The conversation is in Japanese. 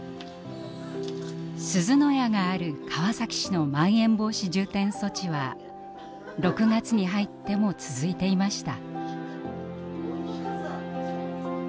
すずの家がある川崎市のまん延防止重点措置は６月に入っても続いていました。